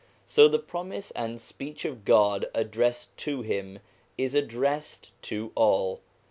So the promise and speech of God addressed to him is addressed to all.